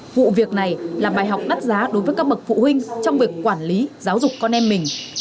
vụ việc này là bài học đắt giá đối với các bậc phụ huynh trong việc quản lý giáo dục con em mình